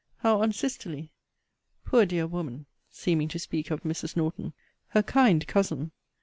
How unsisterly! Poor dear woman! seeming to speak of Mrs. Norton. Her kind cousin!